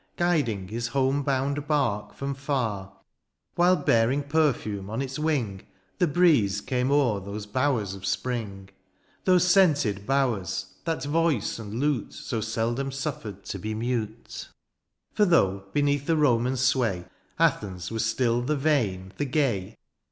Guiding his home bound bark from far : (i) While bearing perfume on its wing The breeze came o'er those bowers of spring ; Those scented bowers (h) that voice and lute So seldom suffered to be mute : For though beneath the Roman's sway, Athens was still the vain, the gay.